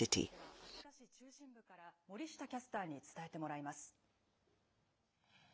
では、秋田市中心部から森下キャスターに伝えてもらいます。